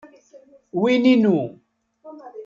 Wi inu.